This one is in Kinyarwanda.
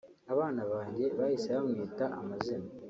Abana banjye bahise bamwita amazina